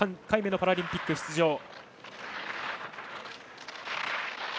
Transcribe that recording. ３回目のパラリンピック出場。